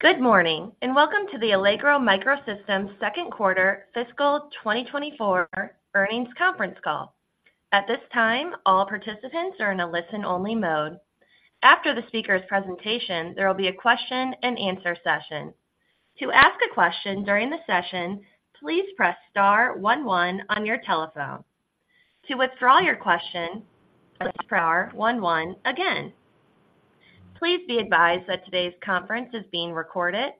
Good morning, and welcome to the Allegro MicroSystems Second Quarter Fiscal 2024 Earnings Conference Call. At this time, all participants are in a listen-only mode. After the speaker's presentation, there will be a question-and-answer session. To ask a question during the session, please press star one one on your telephone. To withdraw your question, press star one one again. Please be advised that today's conference is being recorded.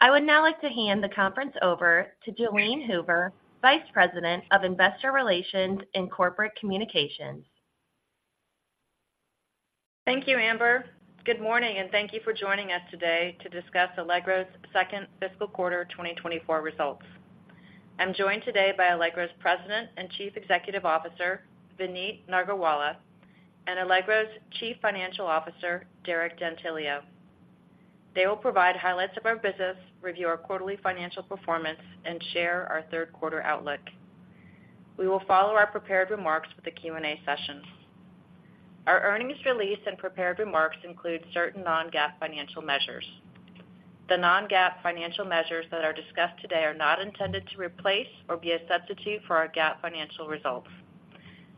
I would now like to hand the conference over to Jalene Hoover, Vice President of Investor Relations and Corporate Communications. Thank you, Amber. Good morning, and thank you for joining us today to discuss Allegro's second fiscal quarter 2024 results. I'm joined today by Allegro's President and Chief Executive Officer, Vineet Nargolwala, and Allegro's Chief Financial Officer, Derek D'Antilio. They will provide highlights of our business, review our quarterly financial performance, and share our third quarter outlook. We will follow our prepared remarks with the Q&A session. Our earnings release and prepared remarks include certain non-GAAP financial measures. The non-GAAP financial measures that are discussed today are not intended to replace or be a substitute for our GAAP financial results.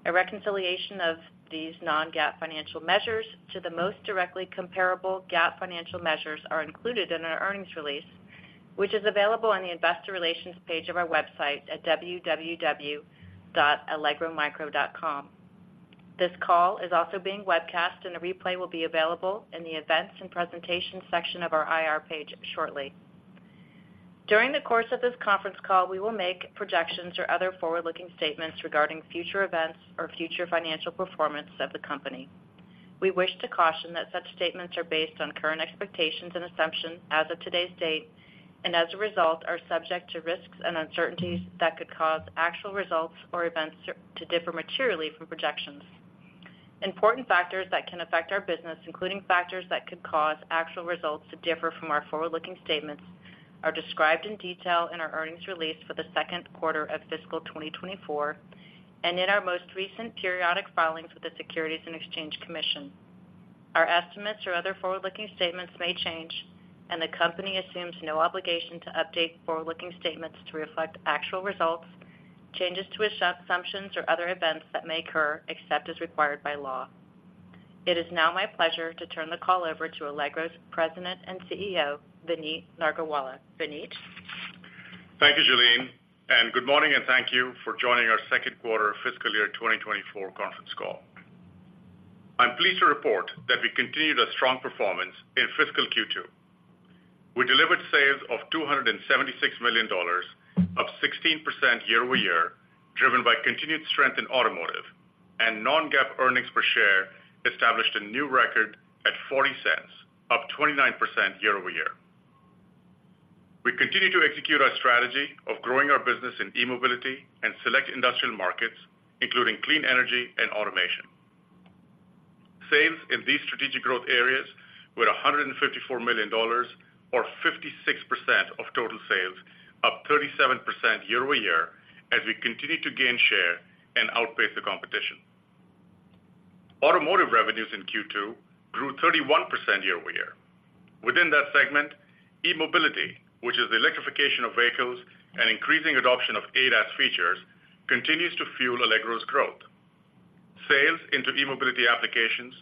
A reconciliation of these non-GAAP financial measures to the most directly comparable GAAP financial measures are included in our earnings release, which is available on the investor relations page of our website at www.allegromicro.com. This call is also being webcast, and a replay will be available in the Events and Presentation section of our IR page shortly. During the course of this conference call, we will make projections or other forward-looking statements regarding future events or future financial performance of the company. We wish to caution that such statements are based on current expectations and assumptions as of today's date, and as a result, are subject to risks and uncertainties that could cause actual results or events to differ materially from projections. Important factors that can affect our business, including factors that could cause actual results to differ from our forward-looking statements, are described in detail in our earnings release for the second quarter of fiscal 2024 and in our most recent periodic filings with the Securities and Exchange Commission. Our estimates or other forward-looking statements may change, and the company assumes no obligation to update forward-looking statements to reflect actual results, changes to assumptions, or other events that may occur, except as required by law. It is now my pleasure to turn the call over to Allegro's President and CEO, Vineet Nargolwala. Vineet? Thank you, Jalene, and good morning, and thank you for joining our second quarter fiscal year 2024 conference call. I'm pleased to report that we continued a strong performance in fiscal Q2. We delivered sales of $276 million, up 16% year-over-year, driven by continued strength in automotive, and non-GAAP earnings per share established a new record at $0.40, up 29% year-over-year. We continue to execute our strategy of growing our business in e-mobility and select industrial markets, including clean energy and automation. Sales in these strategic growth areas were $154 million, or 56% of total sales, up 37% year-over-year, as we continue to gain share and outpace the competition. Automotive revenues in Q2 grew 31% year-over-year. Within that segment, e-mobility, which is the electrification of vehicles and increasing adoption of ADAS features, continues to fuel Allegro's growth. Sales into e-mobility applications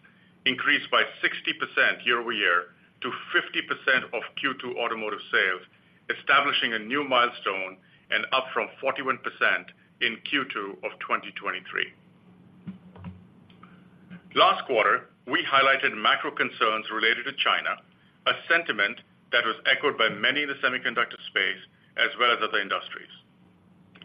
increased by 60% year-over-year to 50% of Q2 automotive sales, establishing a new milestone and up from 41% in Q2 of 2023. Last quarter, we highlighted macro concerns related to China, a sentiment that was echoed by many in the semiconductor space as well as other industries.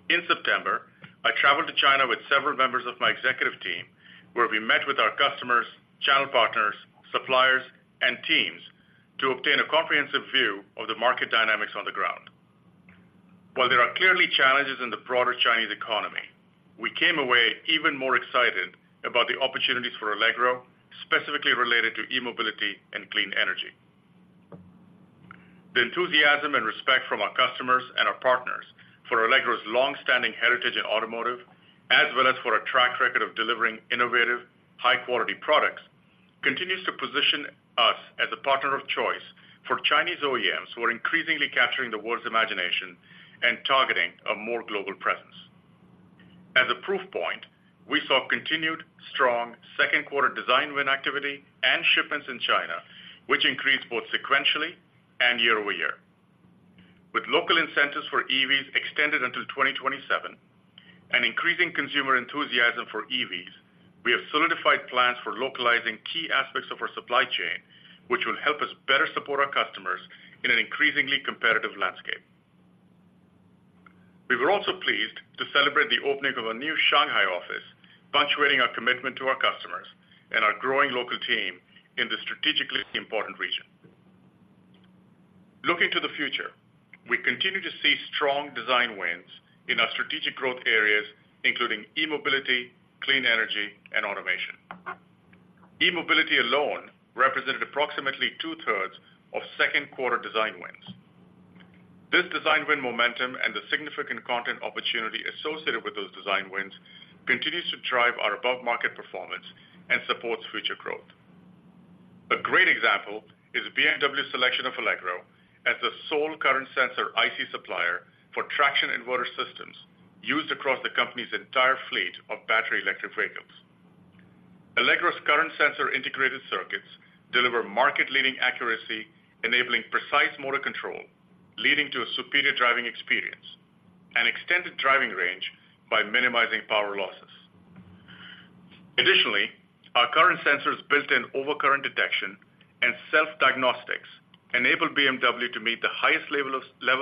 In September, I traveled to China with several members of my executive team, where we met with our customers, channel partners, suppliers, and teams to obtain a comprehensive view of the market dynamics on the ground. While there are clearly challenges in the broader Chinese economy, we came away even more excited about the opportunities for Allegro, specifically related to e-mobility and clean energy. The enthusiasm and respect from our customers and our partners for Allegro's long-standing heritage in automotive, as well as for our track record of delivering innovative, high-quality products, continues to position us as a partner of choice for Chinese OEMs, who are increasingly capturing the world's imagination and targeting a more global presence. As a proof point, we saw continued strong second quarter design win activity and shipments in China, which increased both sequentially and year-over-year. With local incentives for EVs extended until 2027 and increasing consumer enthusiasm for EVs, we have solidified plans for localizing key aspects of our supply chain, which will help us better support our customers in an increasingly competitive landscape. We were also pleased to celebrate the opening of a new Shanghai office, punctuating our commitment to our customers and our growing local team in this strategically important region. Looking to the future, we continue to see strong design wins in our strategic growth areas, including e-mobility, clean energy, and automation. E-mobility alone represented approximately two-thirds of second-quarter design wins. This design win momentum and the significant content opportunity associated with those design wins continues to drive our above-market performance and supports future growth. A great example is BMW's selection of Allegro as the sole current sensor IC supplier for traction inverter systems used across the company's entire fleet of battery electric vehicles. Allegro's current sensor integrated circuits deliver market-leading accuracy, enabling precise motor control, leading to a superior driving experience and extended driving range by minimizing power losses. Additionally, our current sensors' built-in overcurrent detection and self-diagnostics enable BMW to meet the highest level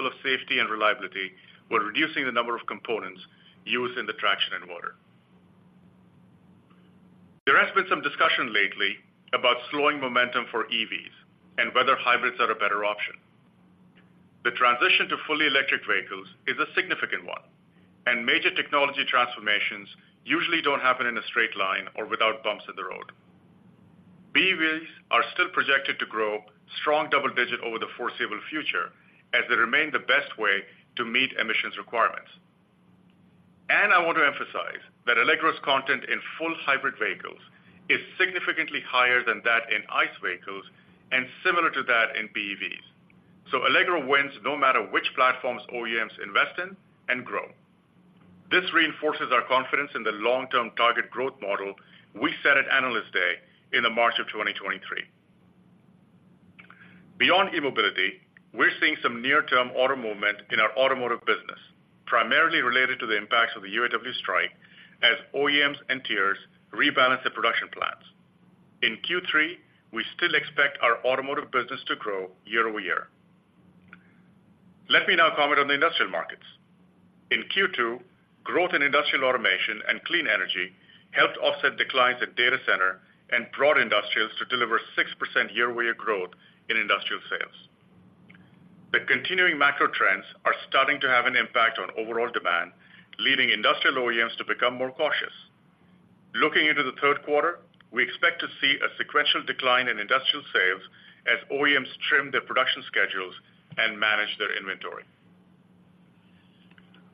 of safety and reliability, while reducing the number of components used in the traction inverter. There has been some discussion lately about slowing momentum for EVs and whether hybrids are a better option. The transition to fully electric vehicles is a significant one, and major technology transformations usually don't happen in a straight line or without bumps in the road. BEVs are still projected to grow strong double-digit over the foreseeable future as they remain the best way to meet emissions requirements. And I want to emphasize that Allegro's content in full hybrid vehicles is significantly higher than that in ICE vehicles and similar to that in BEVs. So Allegro wins no matter which platforms OEMs invest in and grow. This reinforces our confidence in the long-term target growth model we set at Analyst Day in March 2023. Beyond e-Mobility, we're seeing some near-term order movement in our automotive business, primarily related to the impacts of the UAW strike as OEMs and tiers rebalance their production plans. In Q3, we still expect our automotive business to grow year-over-year. Let me now comment on the industrial markets. In Q2, growth in industrial automation and clean energy helped offset declines at data center and broad industrials to deliver 6% year-over-year growth in industrial sales. The continuing macro trends are starting to have an impact on overall demand, leading industrial OEMs to become more cautious. Looking into the third quarter, we expect to see a sequential decline in industrial sales as OEMs trim their production schedules and manage their inventory.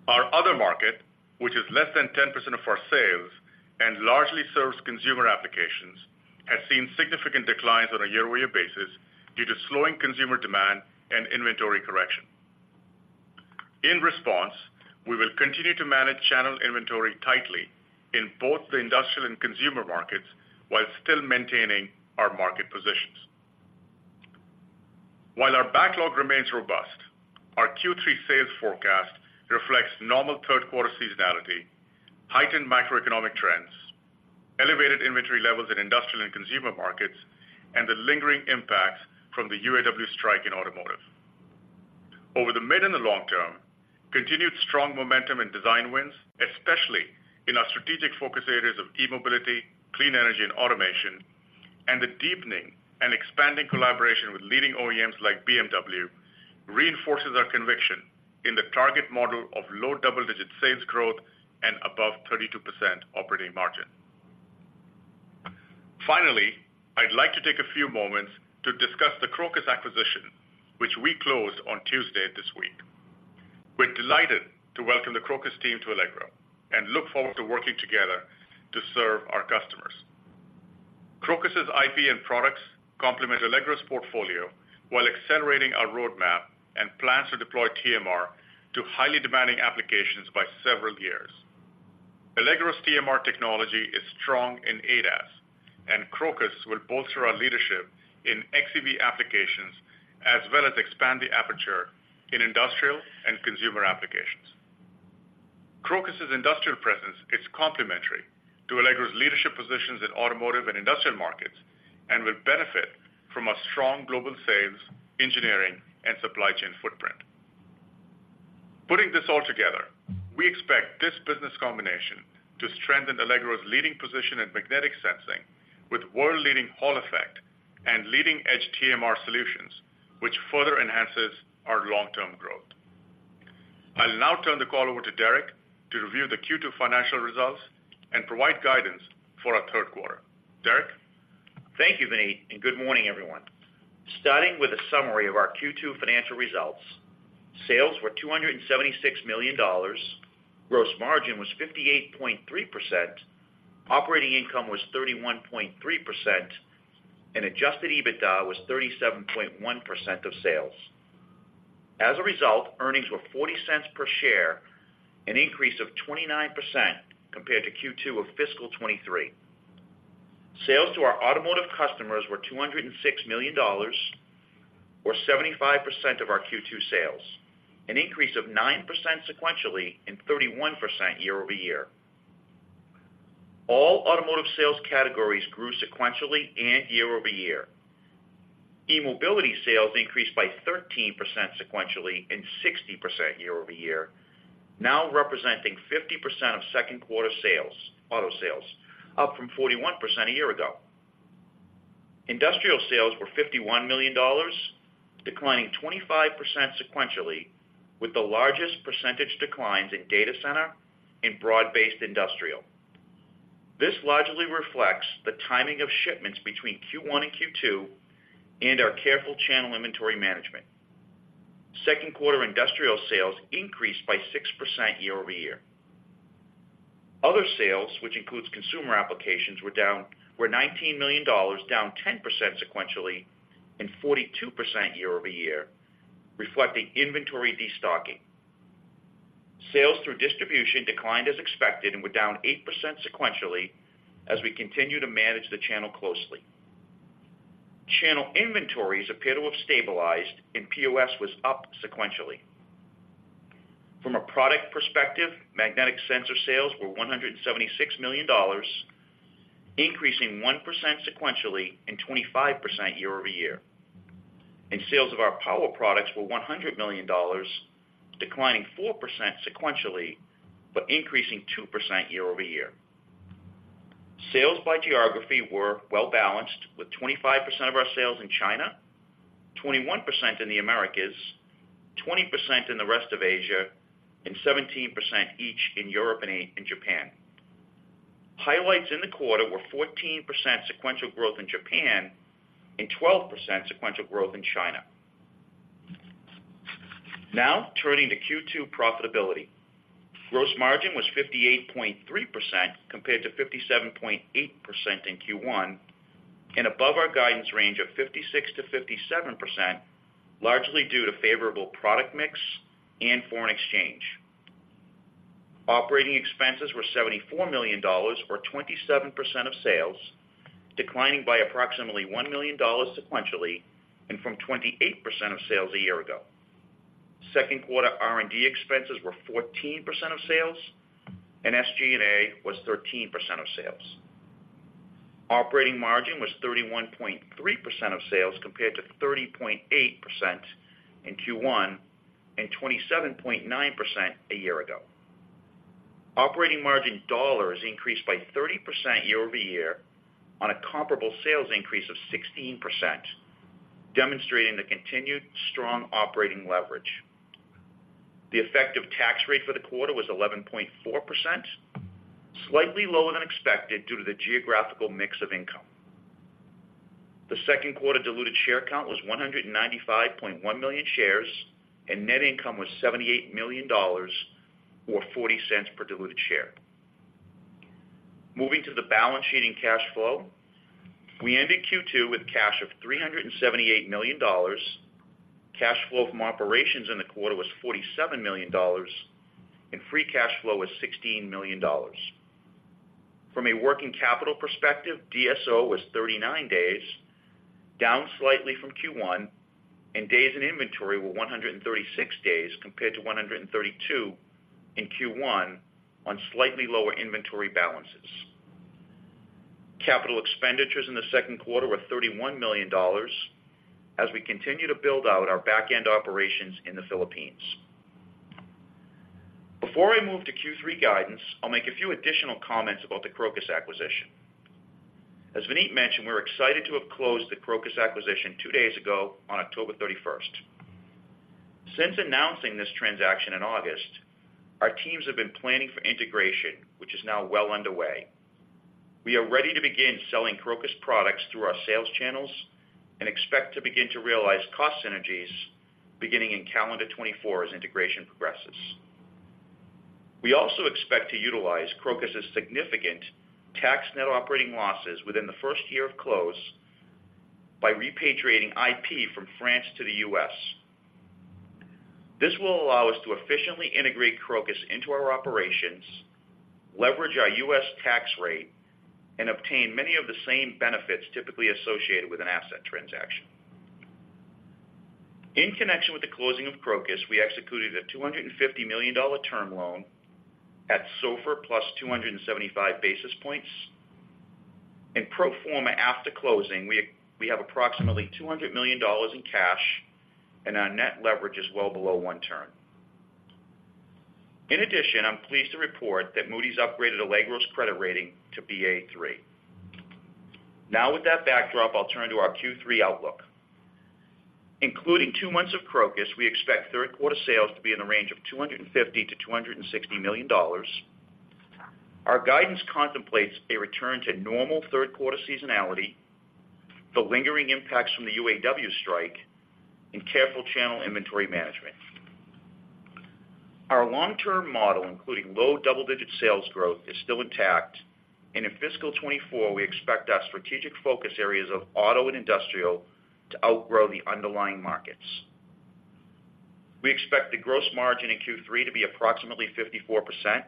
Our other market, which is less than 10% of our sales and largely serves consumer applications, has seen significant declines on a year-over-year basis due to slowing consumer demand and inventory correction. In response, we will continue to manage channel inventory tightly in both the industrial and consumer markets, while still maintaining our market positions. While our backlog remains robust, our Q3 sales forecast reflects normal third quarter seasonality, heightened macroeconomic trends, elevated inventory levels in industrial and consumer markets, and the lingering impacts from the UAW strike in automotive. Over the mid and the long term, continued strong momentum in design wins, especially in our strategic focus areas of e-mobility, clean energy, and automation, and the deepening and expanding collaboration with leading OEMs like BMW, reinforces our conviction in the target model of low double-digit sales growth and above 32% operating margin. Finally, I'd like to take a few moments to discuss the Crocus acquisition, which we closed on Tuesday this week. We're delighted to welcome the Crocus team to Allegro and look forward to working together to serve our customers. Crocus's IP and products complement Allegro's portfolio while accelerating our roadmap and plans to deploy TMR to highly demanding applications by several years. Allegro's TMR technology is strong in ADAS, and Crocus will bolster our leadership in xEV applications, as well as expand the aperture in industrial and consumer applications. Crocus's industrial presence is complementary to Allegro's leadership positions in automotive and industrial markets and will benefit from a strong global sales, engineering, and supply chain footprint. Putting this all together, we expect this business combination to strengthen Allegro's leading position in magnetic sensing with world-leading Hall Effect and leading-edge TMR solutions, which further enhances our long-term growth. I'll now turn the call over to Derek to review the Q2 financial results and provide guidance for our third quarter. Derek? Thank you, Vineet, and good morning, everyone. Starting with a summary of our Q2 financial results, sales were $276 million, gross margin was 58.3%, operating income was 31.3%, and adjusted EBITDA was 37.1% of sales. As a result, earnings were $0.40 per share, an increase of 29% compared to Q2 of fiscal 2023. Sales to our automotive customers were $206 million, or 75% of our Q2 sales, an increase of 9% sequentially and 31% year-over-year. All automotive sales categories grew sequentially and year-over-year. E-mobility sales increased by 13% sequentially and 60% year-over-year, now representing 50% of second quarter sales, auto sales, up from 41% a year ago. Industrial sales were $51 million, declining 25% sequentially, with the largest percentage declines in data center and broad-based industrial. This largely reflects the timing of shipments between Q1 and Q2 and our careful channel inventory management. Second quarter industrial sales increased by 6% year-over-year. Other sales, which includes consumer applications, were down $19 million, down 10% sequentially and 42% year-over-year, reflecting inventory destocking. Sales through distribution declined as expected and were down 8% sequentially as we continue to manage the channel closely. Channel inventories appear to have stabilized, and POS was up sequentially. From a product perspective, magnetic sensor sales were $176 million, increasing 1% sequentially and 25% year-over-year. Sales of our power products were $100 million, declining 4% sequentially, but increasing 2% year-over-year. Sales by geography were well balanced, with 25% of our sales in China, 21% in the Americas, 20% in the rest of Asia, and 17% each in Europe and in Japan. Highlights in the quarter were 14% sequential growth in Japan and 12% sequential growth in China. Now, turning to Q2 profitability. Gross margin was 58.3% compared to 57.8% in Q1, and above our guidance range of 56%-57%, largely due to favorable product mix and foreign exchange. Operating expenses were $74 million, or 27% of sales, declining by approximately $1 million sequentially, and from 28% of sales a year ago. Second quarter R&D expenses were 14% of sales, and SG&A was 13% of sales. Operating margin was 31.3% of sales, compared to 30.8% in Q1 and 27.9% a year ago. Operating margin dollars increased by 30% year over year on a comparable sales increase of 16%, demonstrating the continued strong operating leverage. The effective tax rate for the quarter was 11.4%, slightly lower than expected due to the geographical mix of income. The second quarter diluted share count was 195.1 million shares, and net income was $78 million or $0.40 per diluted share. Moving to the balance sheet and cash flow. We ended Q2 with cash of $378 million. Cash flow from operations in the quarter was $47 million, and free cash flow was $16 million. From a working capital perspective, DSO was 39 days, down slightly from Q1, and days in inventory were 136 days, compared to 132 in Q1, on slightly lower inventory balances. Capital expenditures in the second quarter were $31 million as we continue to build out our back-end operations in the Philippines. Before I move to Q3 guidance, I'll make a few additional comments about the Crocus acquisition. As Vineet mentioned, we're excited to have closed the Crocus acquisition two days ago on October 31. Since announcing this transaction in August, our teams have been planning for integration, which is now well underway. We are ready to begin selling Crocus products through our sales channels and expect to begin to realize cost synergies beginning in calendar 2024 as integration progresses. We also expect to utilize Crocus's significant tax net operating losses within the first year of close by repatriating IP from France to the U.S. This will allow us to efficiently integrate Crocus into our operations, leverage our US tax rate, and obtain many of the same benefits typically associated with an asset transaction. In connection with the closing of Crocus, we executed a $250 million term loan at SOFR plus 275 basis points. In pro forma, after closing, we have approximately $200 million in cash, and our net leverage is well below 1 turn. In addition, I'm pleased to report that Moody's upgraded Allegro's credit rating to Ba3. Now, with that backdrop, I'll turn to our Q3 outlook. Including two months of Crocus, we expect third quarter sales to be in the range of $250 million to 260 million. Our guidance contemplates a return to normal third quarter seasonality, the lingering impacts from the UAW strike, and careful channel inventory management. Our long-term model, including low double-digit sales growth, is still intact, and in fiscal 2024, we expect our strategic focus areas of auto and industrial to outgrow the underlying markets. We expect the gross margin in Q3 to be approximately 54%,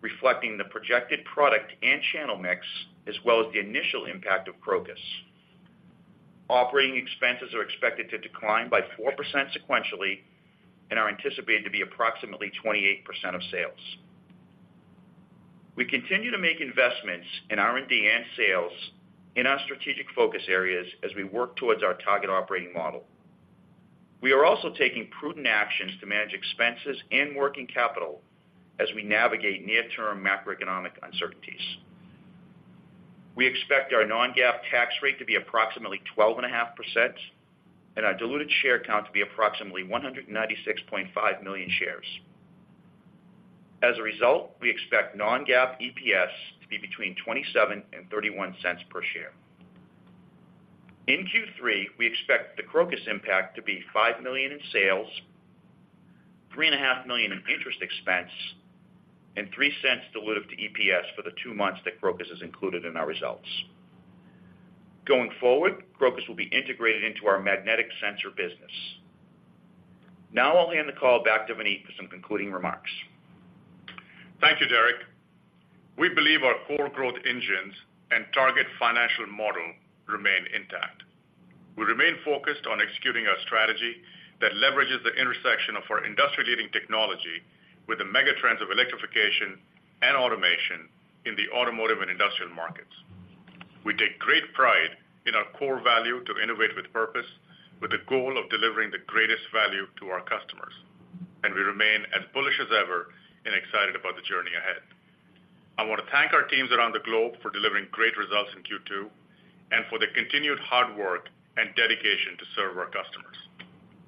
reflecting the projected product and channel mix, as well as the initial impact of Crocus. Operating expenses are expected to decline by 4% sequentially and are anticipated to be approximately 28% of sales. We continue to make investments in R&D and sales in our strategic focus areas as we work towards our target operating model. We are also taking prudent actions to manage expenses and working capital as we navigate near-term macroeconomic uncertainties. We expect our non-GAAP tax rate to be approximately 12.5%, and our diluted share count to be approximately 196.5 million shares. As a result, we expect non-GAAP EPS to be between $27-31 per share. In Q3, we expect the Crocus impact to be $5 million in sales, $3.5 million in interest expense, and $3 diluted to EPS for the two months that Crocus is included in our results. Going forward, Crocus will be integrated into our magnetic sensor business. Now I'll hand the call back to Vineet for some concluding remarks. Thank you, Derek. We believe our core growth engines and target financial model remain intact. We remain focused on executing our strategy that leverages the intersection of our industry-leading technology with the mega trends of electrification and automation in the automotive and industrial markets. We take great pride in our core value to innovate with purpose, with the goal of delivering the greatest value to our customers, and we remain as bullish as ever and excited about the journey ahead. I want to thank our teams around the globe for delivering great results in Q2, and for their continued hard work and dedication to serve our customers.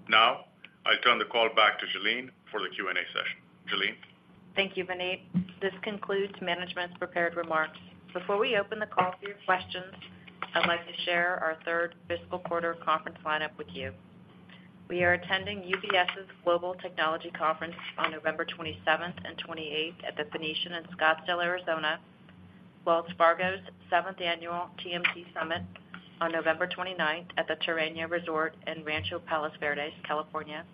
Now, I turn the call back to Jalene for the Q&A session. Jalene? Thank you, Vineet. This concludes management's prepared remarks. Before we open the call for your questions, I'd like to share our third fiscal quarter conference lineup with you. We are attending UBS's Global Technology Conference on 27th and 28th November at the Phoenician in Scottsdale, Arizona, Wells Fargo's seventh Annual TMT Summit on 29th November at the Terranea Resort in Rancho Palos Verdes, California,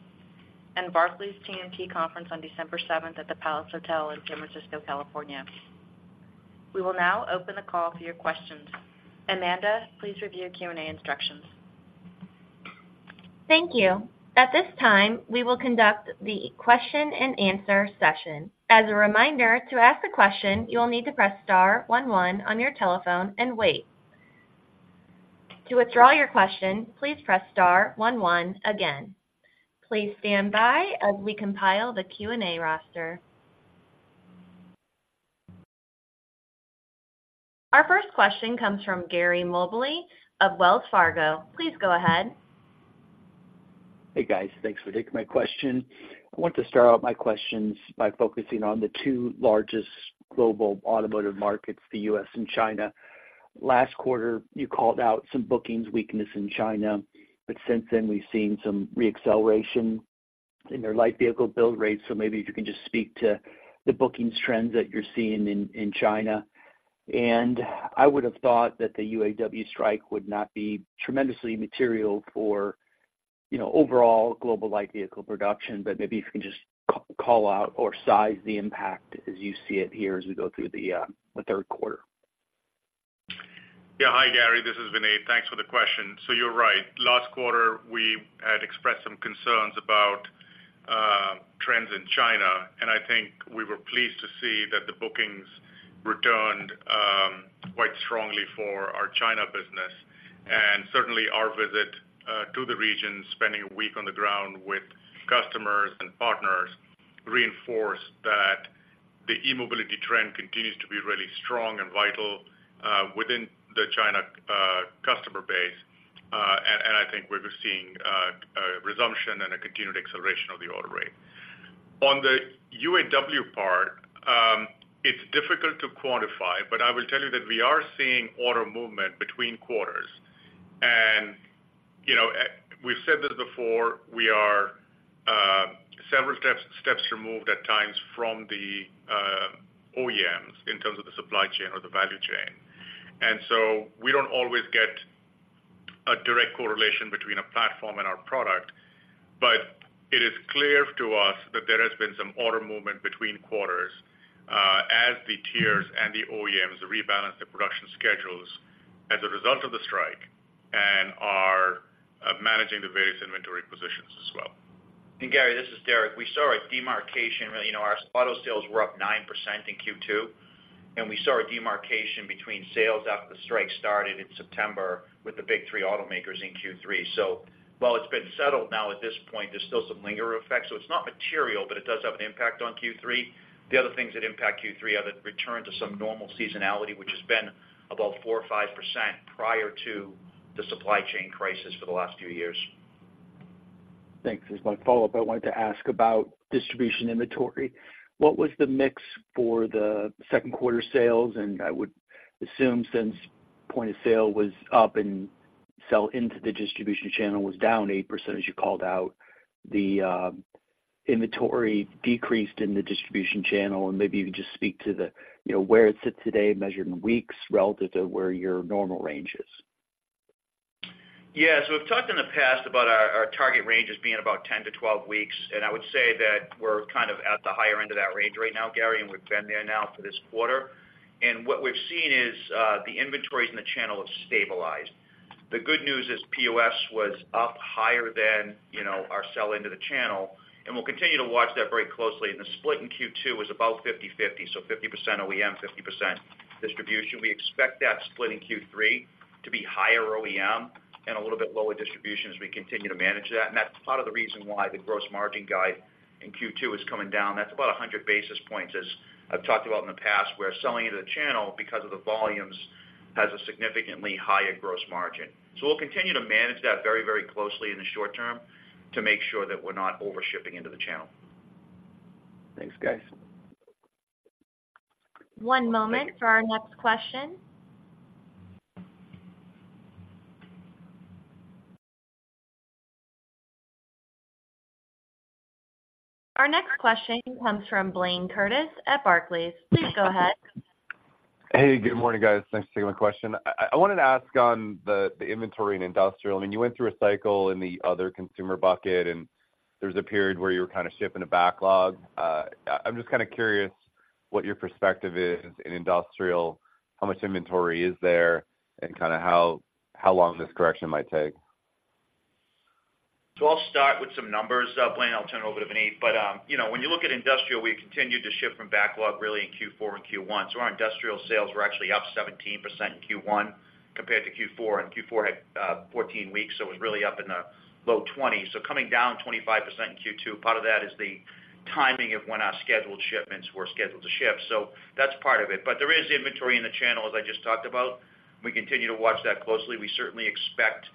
and Barclays TMT Conference on December 7th at the Palace Hotel in San Francisco, California. We will now open the call to your questions. Amanda, please review our Q&A instructions. Thank you. At this time, we will conduct the question-and-answer session. As a reminder, to ask a question, you will need to press star one one on your telephone and wait. To withdraw your question, please press star one one again. Please stand by as we compile the Q&A roster. Our first question comes from Gary Mobley of Wells Fargo. Please go ahead. Hey, guys. Thanks for taking my question. I want to start out my questions by focusing on the two largest global automotive markets, the U.S. and China. Last quarter, you called out some bookings weakness in China, but since then we've seen some re-acceleration in their light vehicle build rates. So maybe if you can just speak to the bookings trends that you're seeing in China. And I would have thought that the UAW strike would not be tremendously material for, you know, overall global light vehicle production, but maybe if you can just call out or size the impact as you see it here as we go through the third quarter. Yeah. Hi, Gary, this is Vineet. Thanks for the question. So you're right. Last quarter, we had expressed some concerns about trends in China, and I think we were pleased to see that the bookings returned quite strongly for our China business. And certainly our visit to the region, spending a week on the ground with customers and partners, reinforced that the e-mobility trend continues to be really strong and vital within the China customer base. And I think we're just seeing a resumption and a continued acceleration of the order rate. On the UAW part, it's difficult to quantify, but I will tell you that we are seeing order movement between quarters. You know, we've said this before, we are several steps removed at times from the OEMs in terms of the supply chain or the value chain. We don't always get a direct correlation between a platform and our product, but it is clear to us that there has been some order movement between quarters as the tiers and the OEMs rebalance the production schedules as a result of the strike and are managing the various inventory positions as well. Gary, this is Derek. We saw a demarcation. You know, our auto sales were up 9% in Q2, and we saw a demarcation between sales after the strike started in September with the big three automakers in Q3. So while it's been settled now at this point, there's still some lingering effects. So it's not material, but it does have an impact on Q3. The other things that impact Q3 are the return to some normal seasonality, which has been about 4% or 5% prior to the supply chain crisis for the last few years. Thanks. As my follow-up, I wanted to ask about distribution inventory. What was the mix for the second quarter sales? And I would assume, since point of sale was up and sell into the distribution channel was down 8%, as you called out, the inventory decreased in the distribution channel. And maybe you could just speak to the, you know, where it sits today, measured in weeks, relative to where your normal range is. Yeah. So we've talked in the past about our target ranges being about 10-12 weeks, and I would say that we're kind of at the higher end of that range right now, Gary, and we've been there now for this quarter. And what we've seen is, the inventories in the channel have stabilized. The good news is POS was up higher than, you know, our sell into the channel, and we'll continue to watch that very closely. And the split in Q2 was about 50/50, so 50% OEM, 50% distribution. We expect that split in Q3 to be higher OEM and a little bit lower distribution as we continue to manage that. And that's part of the reason why the gross margin guide in Q2 is coming down. That's about 100 basis points, as I've talked about in the past, where selling into the channel because of the volumes has a significantly higher gross margin. So we'll continue to manage that very, very closely in the short term to make sure that we're not over shipping into the channel. Thanks, guys. One moment for our next question. Our next question comes from Blayne Curtis at Barclays. Please go ahead. Hey, good morning, guys. Thanks for taking my question. I wanted to ask on the inventory in industrial. I mean, you went through a cycle in the other consumer bucket, and there was a period where you were kind of shipping a backlog. I'm just kind of curious what your perspective is in industrial, how much inventory is there, and kind of how long this correction might take? So I'll start with some numbers, Blayne, I'll turn it over to Vineet. But you know, when you look at industrial, we continued to ship from backlog really in Q4 and Q1. So our industrial sales were actually up 17% in Q1 compared to Q4, and Q4 had 14 weeks, so it was really up in the low 20s. So coming down 25% in Q2, part of that is the timing of when our scheduled shipments were scheduled to ship. So that's part of it. But there is inventory in the channel, as I just talked about. We continue to watch that closely. We certainly expect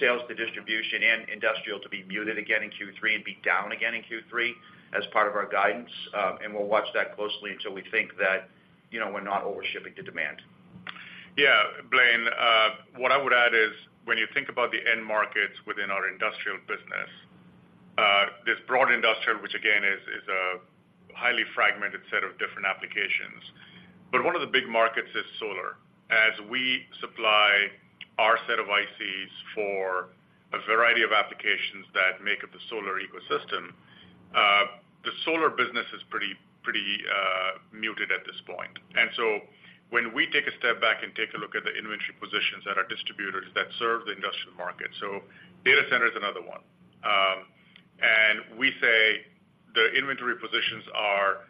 sales to distribution and industrial to be muted again in Q3 and be down again in Q3 as part of our guidance. And we'll watch that closely until we think that, you know, we're not overshipping the demand. Yeah, Blayne, what I would add is, when you think about the end markets within our industrial business, this broad industrial, which again, is a highly fragmented set of different applications, but one of the big markets is solar. As we supply our set of ICs for a variety of applications that make up the solar ecosystem, the solar business is pretty, pretty, muted at this point. And so when we take a step back and take a look at the inventory positions at our distributors that serve the industrial market, so data center is another one. And we say the inventory positions are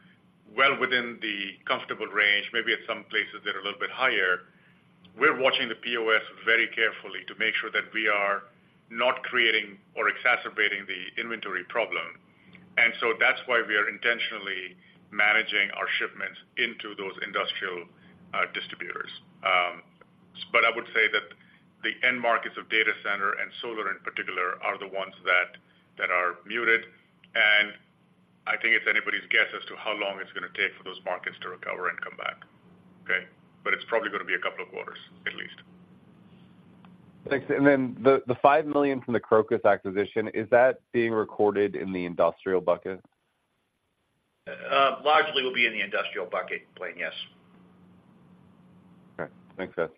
well within the comfortable range, maybe at some places they're a little bit higher. We're watching the POS very carefully to make sure that we are not creating or exacerbating the inventory problem. That's why we are intentionally managing our shipments into those industrial distributors. But I would say that the end markets of data center and solar in particular are the ones that are muted. I think it's anybody's guess as to how long it's gonna take for those markets to recover and come back. Okay? But it's probably gonna be a couple of quarters, at least. Thanks. And then the $5 million from the Crocus acquisition, is that being recorded in the industrial bucket? Largely will be in the industrial bucket, Blayne, yes. Okay. Thanks, guys.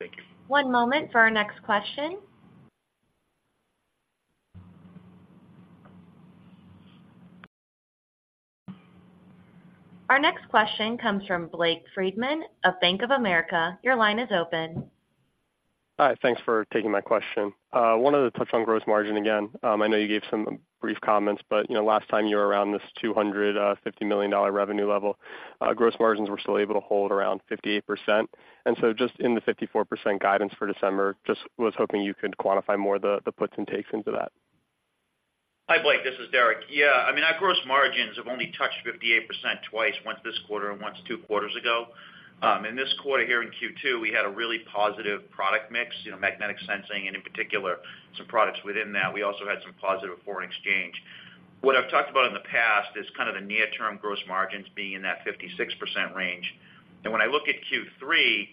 Thank you. One moment for our next question. Our next question comes from Blake Friedman of Bank of America. Your line is open. Hi, thanks for taking my question. Wanted to touch on gross margin again. I know you gave some brief comments, but, you know, last time you were around this $250 million revenue level, gross margins were still able to hold around 58%. And so just in the 54% guidance for December, just was hoping you could quantify more the puts and takes into that. Hi, Blake, this is Derek. Yeah, I mean, our gross margins have only touched 58% twice, once this quarter and once two quarters ago. In this quarter here in Q2, we had a really positive product mix, you know, magnetic sensing and in particular, some products within that. We also had some positive foreign exchange. What I've talked about in the past is kind of the near-term gross margins being in that 56% range. And when I look at Q3,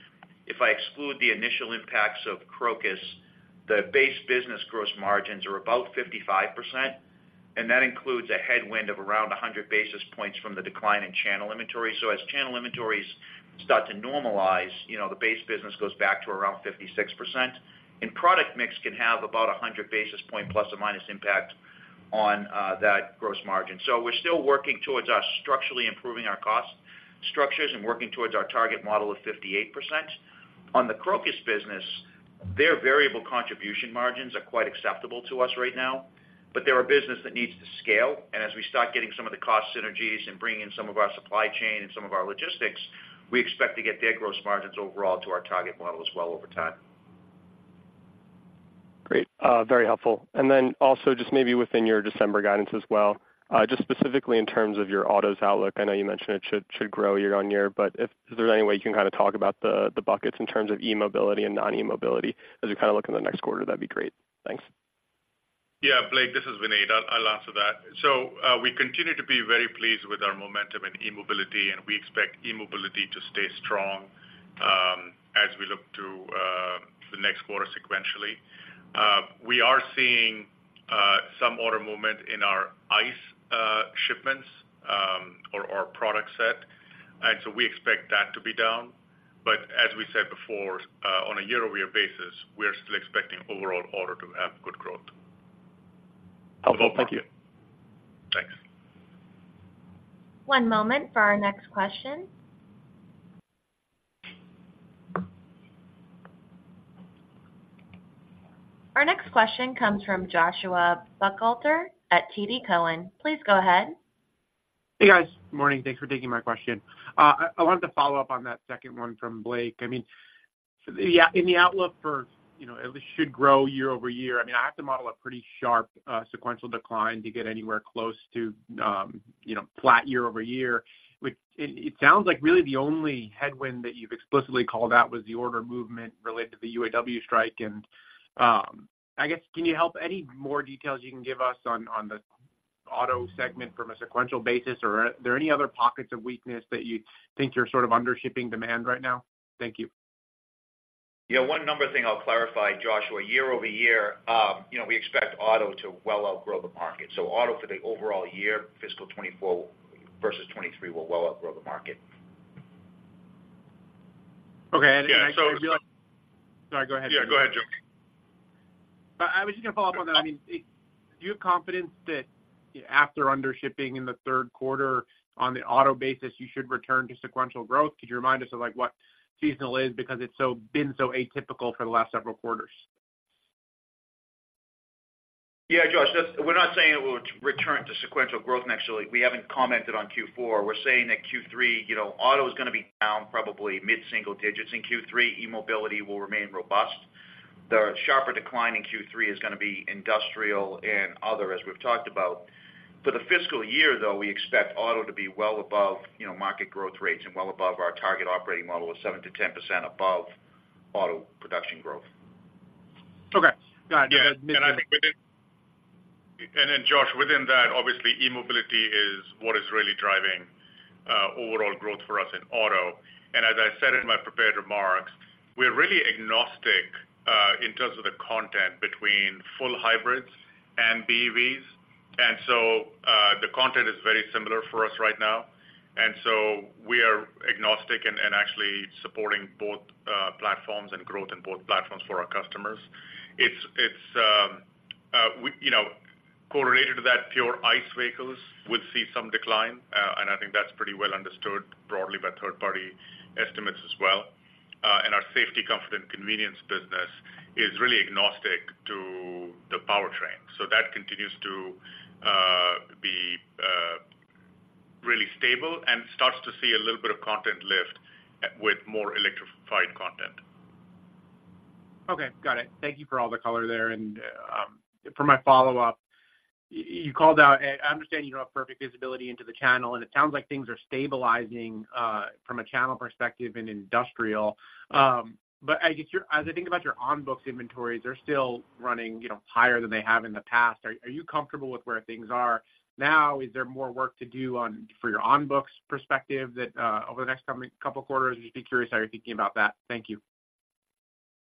if I exclude the initial impacts of Crocus, the base business gross margins are about 55%, and that includes a headwind of around 100 basis points from the decline in channel inventory. So as channel inventories start to normalize, you know, the base business goes back to around 56%, and product mix can have about 100 basis points ± impact on that gross margin. We're still working towards us structurally improving our cost structures and working towards our target model of 58%. On the Crocus business, their variable contribution margins are quite acceptable to us right now, but they're a business that needs to scale, and as we start getting some of the cost synergies and bringing in some of our supply chain and some of our logistics, we expect to get their gross margins overall to our target model as well over time. Great, very helpful. And then also just maybe within your December guidance as well, just specifically in terms of your autos outlook, I know you mentioned it should, should grow year-over-year, but if, is there any way you can kind of talk about the, the buckets in terms of e-mobility and non-e-mobility as you kind of look in the next quarter? That'd be great. Thanks. Yeah, Blake, this is Vineet. I'll answer that. So, we continue to be very pleased with our momentum in e-mobility, and we expect e-mobility to stay strong, as we look to the next quarter sequentially. We are seeing some order movement in our ICE shipments, or product set, and so we expect that to be down. But as we said before, on a year-over-year basis, we are still expecting overall order to have good growth. Thank you. Thanks. One moment for our next question. Our next question comes from Joshua Buchalter at TD Cowen. Please go ahead. Hey, guys. Morning. Thanks for taking my question. I wanted to follow up on that second one from Blake. I mean, so the, yeah, in the outlook for, you know, at least should grow year-over-year. I mean, I have to model a pretty sharp sequential decline to get anywhere close to, you know, flat year-over-year. Which it sounds like really the only headwind that you've explicitly called out was the order movement related to the UAW strike. And I guess, can you help, any more details you can give us on the auto segment from a sequential basis, or are there any other pockets of weakness that you think you're sort of undershipping demand right now? Thank you. Yeah, one number thing I'll clarify, Joshua. Year-over-year, you know, we expect auto to well outgrow the market. So auto for the overall year, fiscal 2024 versus 2023, will well outgrow the market. Okay, and so Yeah, so Sorry, go ahead. Yeah, go ahead, Josh. I was just gonna follow up on that. I mean, do you have confidence that after undershipping in the third quarter on the auto basis, you should return to sequential growth? Could you remind us of, like, what seasonal is? Because it's been so atypical for the last several quarters. Yeah, Josh, that's. We're not saying it will return to sequential growth next year. We haven't commented on Q4. We're saying that Q3, you know, auto is gonna be down probably mid-single digits. In Q3, e-mobility will remain robust. The sharper decline in Q3 is gonna be industrial and other, as we've talked about. For the fiscal year, though, we expect auto to be well above, you know, market growth rates and well above our target operating model of 7%-10% above auto production growth. Okay, got it. Yeah, I think within... And then Josh, within that, obviously, e-mobility is what is really driving, you know, overall growth for us in auto. As I said in my prepared remarks, we're really agnostic in terms of the content between full hybrids and BEVs, and so the content is very similar for us right now. We are agnostic and actually supporting both platforms and growth in both platforms for our customers. We, you know, correlated to that, pure ICE vehicles will see some decline, and I think that's pretty well understood broadly by third-party estimates as well. Our safety, comfort, and convenience business is really agnostic to the powertrain. That continues to be really stable and starts to see a little bit of content lift with more electrified content. Okay, got it. Thank you for all the color there. And, for my follow-up, you called out, and I understand you don't have perfect visibility into the channel, and it sounds like things are stabilizing, from a channel perspective in industrial. But I guess as I think about your on-books inventories, they're still running, you know, higher than they have in the past. Are you comfortable with where things are now? Is there more work to do on, for your on-books perspective that, over the next coming couple quarters? I'd just be curious how you're thinking about that. Thank you.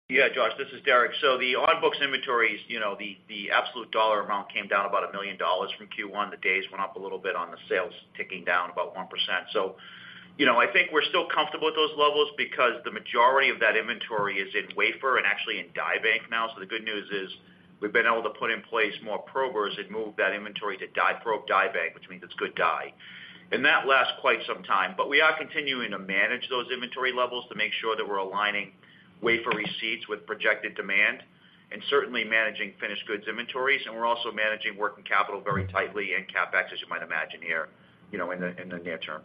Yeah, Josh, this is Derek. So the on-books inventories, you know, the, the absolute dollar amount came down about $1 million from Q1. The days went up a little bit on the sales ticking down about 1%. So, you know, I think we're still comfortable at those levels because the majority of that inventory is in wafer and actually in die bank now. So the good news is, we've been able to put in place more probers and move that inventory to die, probe die bank, which means it's good die. And that lasts quite some time, but we are continuing to manage those inventory levels to make sure that we're aligning wafer receipts with projected demand and certainly managing finished goods inventories, and we're also managing working capital very tightly and CapEx, as you might imagine, here, you know, in the, in the near term.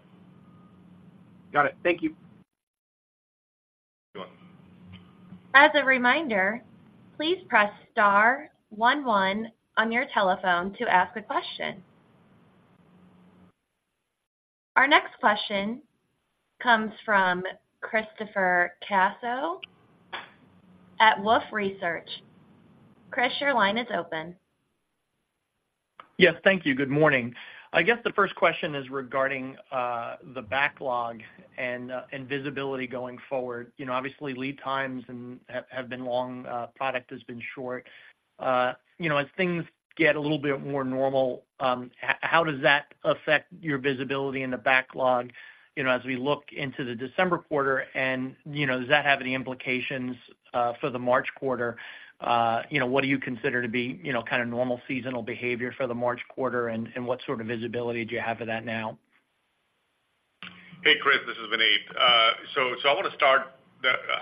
Got it. Thank you. You're welcome. As a reminder, please press star one one on your telephone to ask a question. Our next question comes from Christopher Caso at Wolfe Research. Chris, your line is open. Yes, thank you. Good morning. I guess the first question is regarding the backlog and visibility going forward. You know, obviously, lead times and have been long, product has been short. You know, as things get a little bit more normal, how does that affect your visibility in the backlog, you know, as we look into the December quarter, and, you know, does that have any implications for the March quarter? You know, what do you consider to be, you know, kind of normal seasonal behavior for the March quarter, and what sort of visibility do you have for that now? Hey, Chris, this is Vineet. So, so I want to start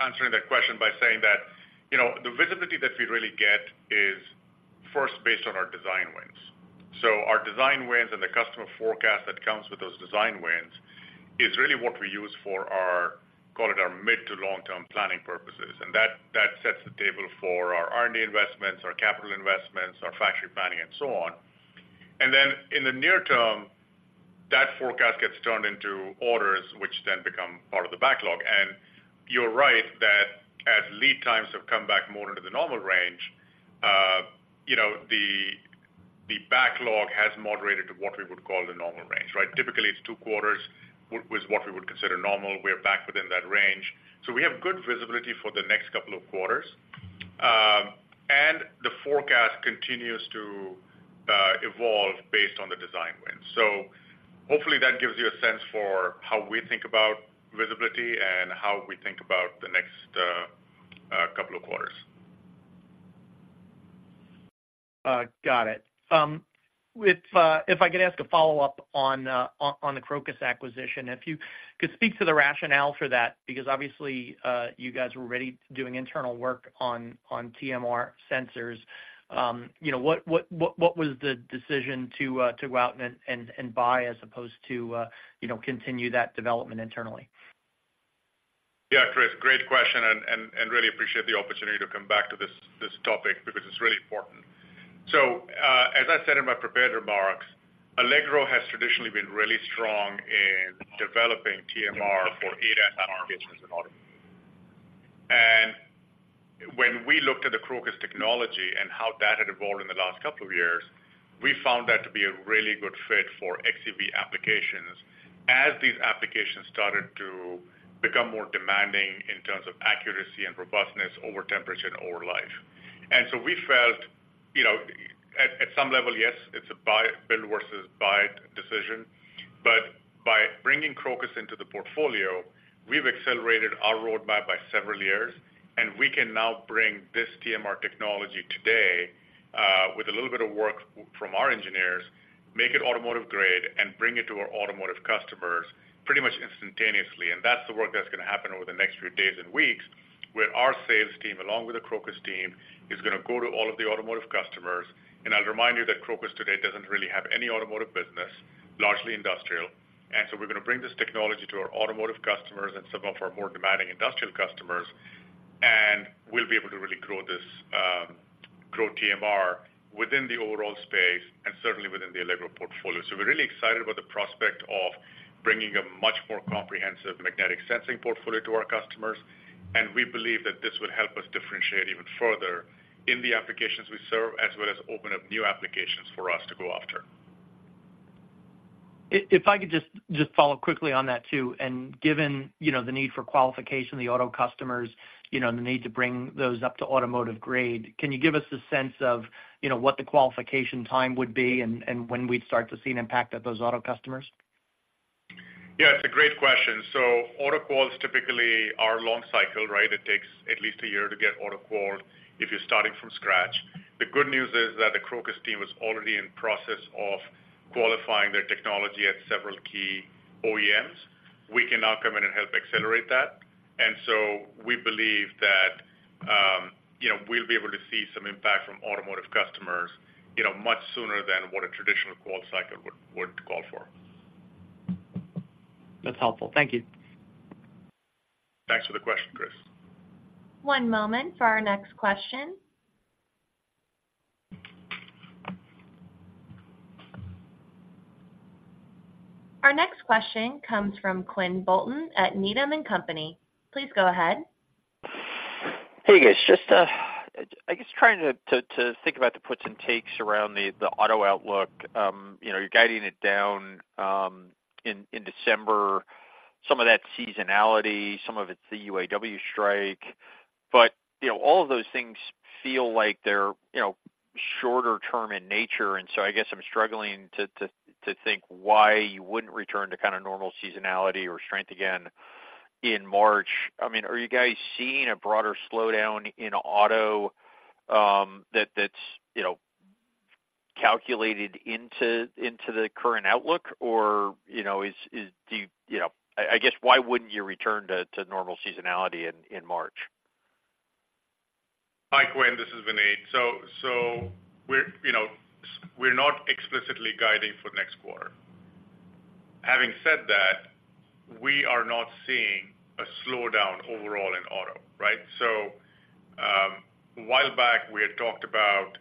answering that question by saying that, you know, the visibility that we really get is first based on our design wins. So our design wins and the customer forecast that comes with those design wins is really what we use for our, call it our mid to long-term planning purposes, and that, that sets the table for our R&D investments, our capital investments, our factory planning, and so on. And then in the near term, that forecast gets turned into orders, which then become part of the backlog. And you're right that as lead times have come back more into the normal range, you know, the backlog has moderated to what we would call the normal range, right? Typically, it's two quarters with what we would consider normal. We're back within that range. So we have good visibility for the next couple of quarters, and the forecast continues to evolve based on the design wins. So hopefully that gives you a sense for how we think about visibility and how we think about the next couple of quarters. Got it. If, if I could ask a follow-up on the Crocus acquisition, if you could speak to the rationale for that, because obviously, you guys were already doing internal work on, on TMR sensors. You know, what, what, what, what was the decision to, to go out and, and, and buy as opposed to, you know, continue that development internally? Yeah, Chris, great question, and really appreciate the opportunity to come back to this topic because it's really important. So, as I said in my prepared remarks, Allegro has traditionally been really strong in developing TMR for ADAS applications in automotive. And when we looked at the Crocus technology and how that had evolved in the last couple of years, we found that to be a really good fit for xEV applications, as these applications started to become more demanding in terms of accuracy and robustness over temperature and over life. So we felt, you know, at some level, yes, it's a build versus buy decision, but by bringing Crocus into the portfolio, we've accelerated our roadmap by several years, and we can now bring this TMR technology today, with a little bit of work from our engineers, make it automotive grade and bring it to our automotive customers pretty much instantaneously. And that's the work that's gonna happen over the next few days and weeks, where our sales team, along with the Crocus team, is gonna go to all of the automotive customers. And I'll remind you that Crocus today doesn't really have any automotive business, largely industrial. And so we're gonna bring this technology to our automotive customers and some of our more demanding industrial customers, and we'll be able to really grow this, grow TMR within the overall space and certainly within the Allegro portfolio. So we're really excited about the prospect of bringing a much more comprehensive magnetic sensing portfolio to our customers, and we believe that this will help us differentiate even further in the applications we serve, as well as open up new applications for us to go after. If I could just follow quickly on that too, and given, you know, the need for qualification, the auto customers, you know, the need to bring those up to automotive grade, can you give us a sense of, you know, what the qualification time would be and when we'd start to see an impact at those auto customers? Yeah, it's a great question. So auto quals typically are long cycle, right? It takes at least a year to get auto qual if you're starting from scratch. The good news is that the Crocus team is already in process of qualifying their technology at several key OEMs. We can now come in and help accelerate that. And so we believe that, you know, we'll be able to see some impact from automotive customers, you know, much sooner than what a traditional qual cycle would call for. That's helpful. Thank you. Thanks for the question, Chris. One moment for our next question. Our next question comes from Quinn Bolton at Needham and Company. Please go ahead. Hey, guys. Just, I guess trying to think about the puts and takes around the auto outlook. You know, you're guiding it down in December. Some of that seasonality, some of it's the UAW strike, but, you know, all of those things feel like they're, you know, shorter term in nature. And so I guess I'm struggling to think why you wouldn't return to kind of normal seasonality or strength again in March. I mean, are you guys seeing a broader slowdown in auto, that that's, you know, calculated into the current outlook? Or, you know, is do you know, I guess, why wouldn't you return to normal seasonality in March? Hi, Quinn, this is Vineet. So, so we're, you know, we're not explicitly guiding for next quarter. Having said that, we are not seeing a slowdown overall in auto, right? So, a while back, we had talked about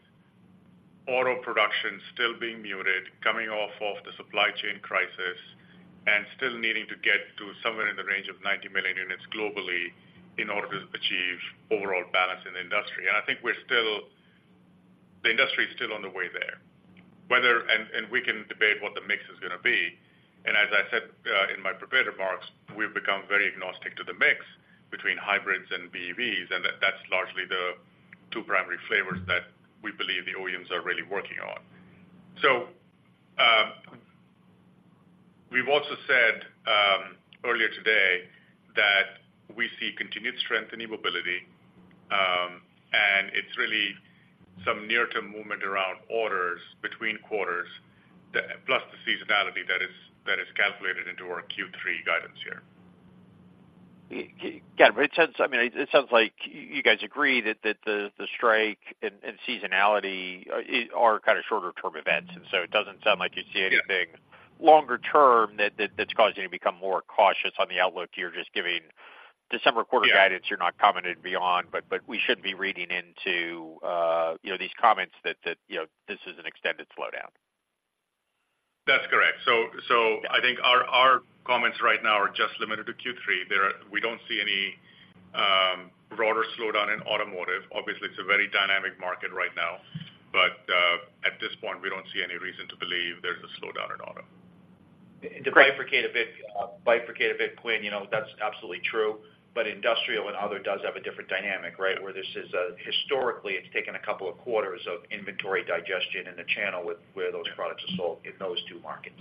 auto production still being muted, coming off of the supply chain crisis and still needing to get to somewhere in the range of 90 million units globally in order to achieve overall balance in the industry. And I think we're still the industry is still on the way there. And we can debate what the mix is gonna be, and as I said, in my prepared remarks, we've become very agnostic to the mix between hybrids and BEVs, and that's largely the two primary flavors that we believe the OEMs are really working on. So, we've also said earlier today that we see continued strength in e-Mobility, and it's really some near-term movement around orders between quarters, plus the seasonality that is calculated into our Q3 guidance here. Yeah, but it sounds, I mean, it sounds like you guys agree that the strike and seasonality are kind of shorter-term events, and so it doesn't sound like you see anything- Yeah longer term that's causing you to become more cautious on the outlook. You're just giving December quarter guidance. Yeah You're not commenting beyond, but, but we shouldn't be reading into, you know, these comments that, that, you know, this is an extended slowdown. That's correct. Yeah I think our comments right now are just limited to Q3. We don't see any broader slowdown in automotive. Obviously, it's a very dynamic market right now, but at this point, we don't see any reason to believe there's a slowdown in auto. Great. To bifurcate a bit, bifurcate a bit, Quinn, you know, that's absolutely true, but industrial and other does have a different dynamic, right? Where this is, historically, it's taken a couple of quarters of inventory digestion in the channel with where those products are sold in those two markets.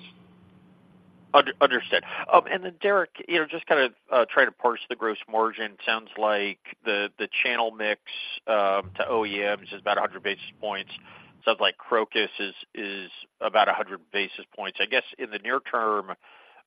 Understood. And then, Derek, you know, just kind of trying to parse the gross margin. Sounds like the channel mix to OEMs is about 100 basis points. Sounds like Crocus is about 100 basis points. I guess in the near term,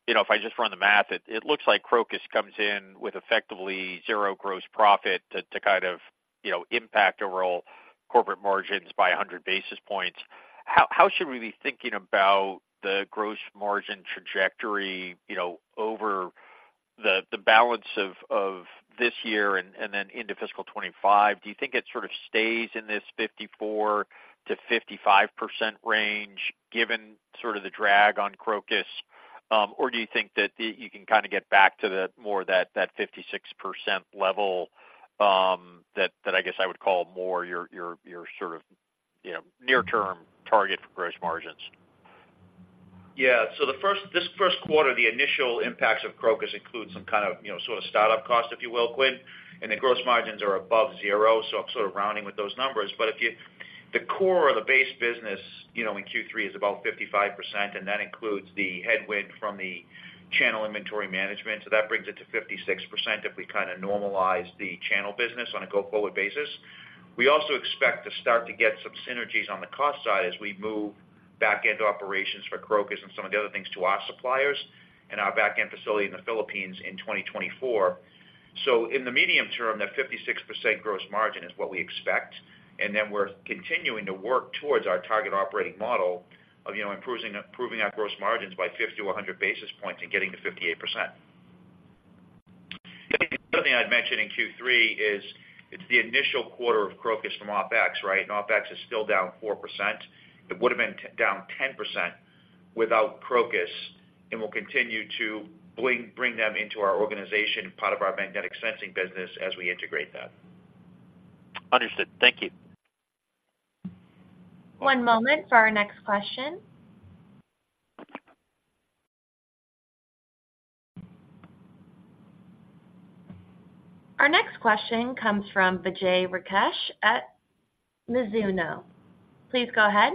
you know, if I just run the math, it looks like Crocus comes in with effectively zero gross profit to kind of, you know, impact overall corporate margins by 100 basis points. How should we be thinking about the gross margin trajectory, you know, over the balance of this year and then into fiscal 2025? Do you think it sort of stays in this 54%-55% range, given sort of the drag on Crocus? Or, do you think that you can kind of get back to the more that, that 56% level, that, that I guess I would call more your, your, your sort of, you know, near term target for gross margins? Yeah. So the first quarter, the initial impacts of Crocus include some kind of, you know, sort of start-up costs, if you will, Quinn, and the gross margins are above zero, so I'm sort of rounding with those numbers. But the core of the base business, you know, in Q3, is about 55%, and that includes the headwind from the channel inventory management. So that brings it to 56% if we kind of normalize the channel business on a go-forward basis. We also expect to start to get some synergies on the cost side as we move back-end operations for Crocus and some of the other things to our suppliers and our back-end facility in the Philippines in 2024. So in the medium term, that 56% gross margin is what we expect, and then we're continuing to work towards our target operating model of, you know, improving our gross margins by 50-100 basis points and getting to 58%. The other thing I'd mention in Q3 is, it's the initial quarter of Crocus from OpEx, right? And OpEx is still down 4%. It would have been down 10% without Crocus, and we'll continue to bring them into our organization, part of our magnetic sensing business, as we integrate that. Understood. Thank you. One moment for our next question. Our next question comes from Vijay Rakesh at Mizuho. Please go ahead.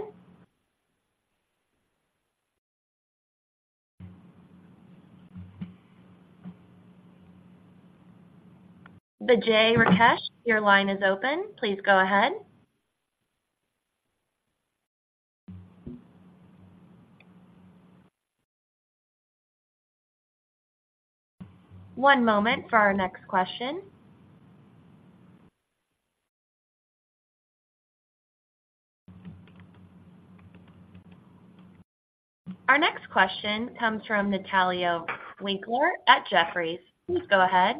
Vijay Rakesh, your line is open. Please go ahead. One moment for our next question. Our next question comes from Natalia Winkler at Jefferies. Please go ahead.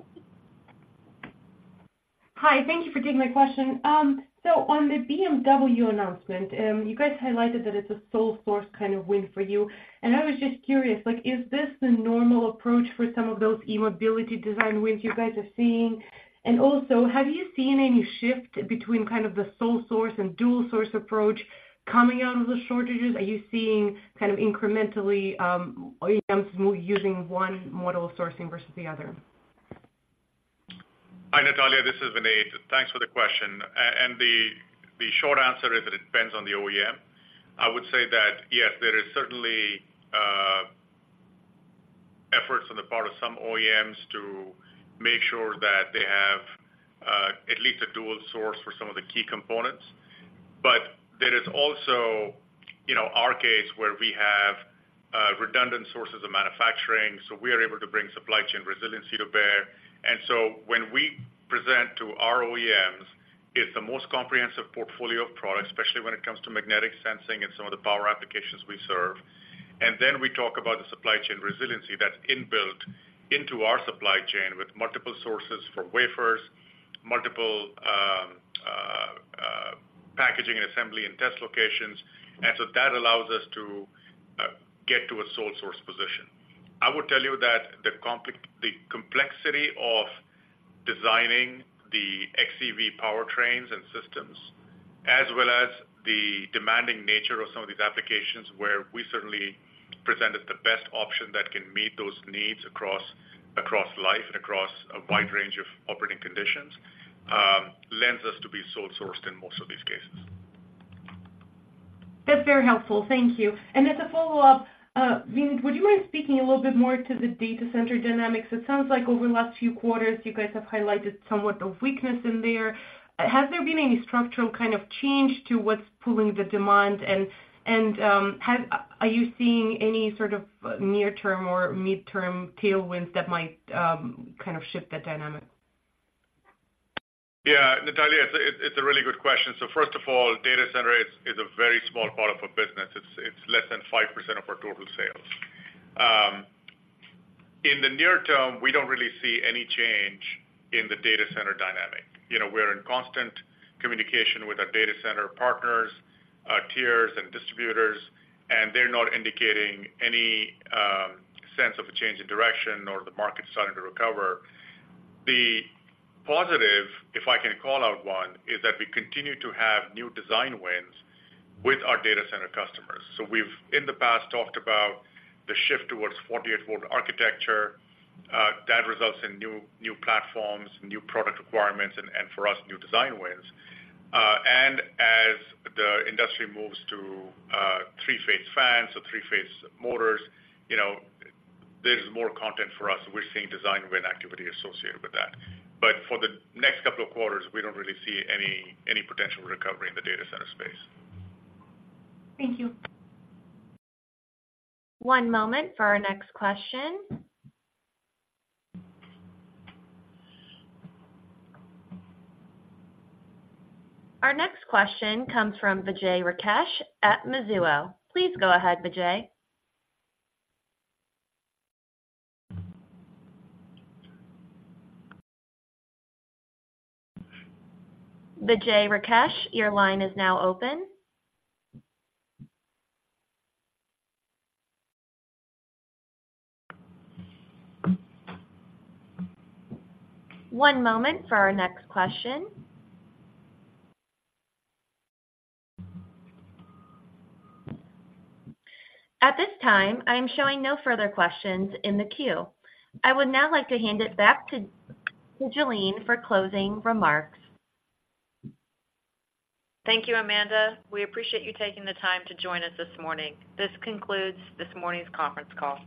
Hi, thank you for taking my question. So on the BMW announcement, you guys highlighted that it's a sole source kind of win for you, and I was just curious, like, is this the normal approach for some of those e-mobility design wins you guys are seeing? And also, have you seen any shift between kind of the sole source and dual source approach coming out of the shortages? Are you seeing kind of incrementally, OEMs move using one model of sourcing versus the other? Hi, Natalia, this is Vineet. Thanks for the question. The short answer is that it depends on the OEM. I would say that, yes, there is certainly efforts on the part of some OEMs to make sure that they have at least a dual source for some of the key components. But there is also, you know, our case, where we have redundant sources of manufacturing, so we are able to bring supply chain resiliency to bear. And so when we present to our OEMs, it's the most comprehensive portfolio of products, especially when it comes to magnetic sensing and some of the power applications we serve. And then we talk about the supply chain resiliency that's inbuilt into our supply chain with multiple sources for wafers, multiple packaging, assembly, and test locations. And so that allows us to get to a sole source position. I would tell you that the complexity of designing the xEV powertrains and systems, as well as the demanding nature of some of these applications, where we certainly present as the best option that can meet those needs across, across life and across a wide range of operating conditions, lends us to be sole sourced in most of these cases. That's very helpful. Thank you. And as a follow-up, Vineet, would you mind speaking a little bit more to the data center dynamics? It sounds like over the last few quarters, you guys have highlighted somewhat of weakness in there. Has there been any structural kind of change to what's pulling the demand? And are you seeing any sort of near-term or midterm tailwinds that might kind of shift that dynamic? Yeah, Natalia, it's a really good question. So first of all, data center is a very small part of our business. It's less than 5% of our total sales. In the near term, we don't really see any change in the data center dynamic. You know, we're in constant communication with our data center partners, tiers and distributors, and they're not indicating any sense of a change in direction or the market starting to recover. The positive, if I can call out one, is that we continue to have new design wins with our data center customers. So we've, in the past, talked about the shift towards 48-volt architecture, that results in new platforms, new product requirements, and for us, new design wins. As the industry moves to three-phase fans or three-phase motors, you know, there's more content for us. We're seeing design win activity associated with that. But for the next couple of quarters, we don't really see any potential recovery in the data center space. Thank you. One moment for our next question. Our next question comes from Vijay Rakesh at Mizuho. Please go ahead, Vijay. Vijay Rakesh, your line is now open. One moment for our next question. At this time, I am showing no further questions in the queue. I would now like to hand it back to Jalene for closing remarks. Thank you, Amanda. We appreciate you taking the time to join us this morning. This concludes this morning's conference call.